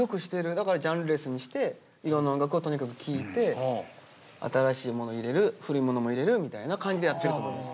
だからジャンルレスにしていろんな音楽をとにかく聴いて新しいもの入れる古いものも入れるみたいな感じでやってると思います。